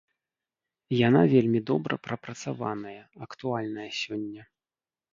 Яна вельмі добра прапрацаваная, актуальная сёння.